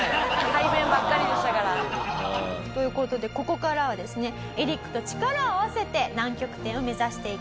排便ばっかりでしたから。という事でここからはですねエリックと力を合わせて南極点を目指していきます。